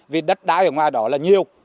vì đất đá ở ngoài đó là nhiều